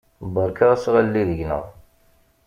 Berka asɣalli deg-neɣ.